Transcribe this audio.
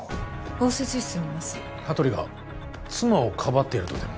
応接室にいます羽鳥が妻をかばっているとでも？